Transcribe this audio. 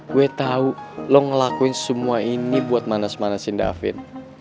gue tau lo ngelakuin semua ini buat manas manasin david